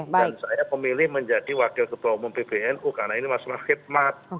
dan saya memilih menjadi wakil ketua umum pbnu karena ini masalah khidmat